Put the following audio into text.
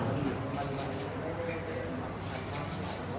มันมีความรู้สึกมากขึ้น